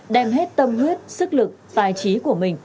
đem hết tâm huyết sức lực tài trí của mình